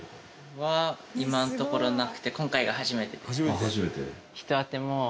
は今のところなくて今回が初めてです。